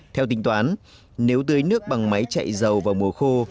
theo tính toán nếu tưới nước bằng máy chạy dầu vào mùa khô